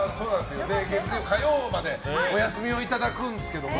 火曜日までお休みをいただくんですけど。